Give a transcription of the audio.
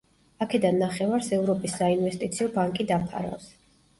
აქედან ნახევარს ევროპის საინვესტიციო ბანკი დაფარავს.